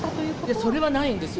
いや、それはないんです。